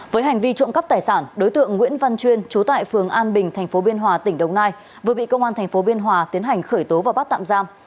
với hành vi trộm cắp tài sản đối tượng nguyễn văn chuyên trú tại phường an bình thành phố biên hòa tỉnh đồng nai vừa bị công an thành phố biên hòa tiến hành khởi tố và bắt tạm giam